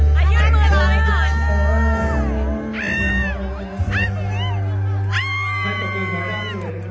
ไม่อยู่ช่วงที่หัวใจมีอะไรอยู่